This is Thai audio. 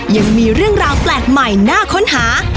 ยังมีเรื่องราวแปลกใหม่น่าค้นหา